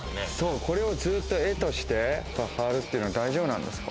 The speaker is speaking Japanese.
これを絵として貼るというのは大丈夫なんですか？